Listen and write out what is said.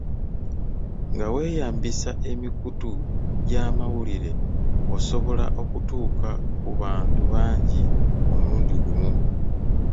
Nga weeyambisa emikutu gy'amawulire, osobola okutuuka ku bantu bangi omulundi gumu.